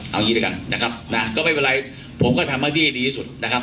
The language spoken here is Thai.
เอาอย่างนี้ด้วยกันนะครับก็ไม่เป็นไรผมก็ทำให้ดีที่สุดนะครับ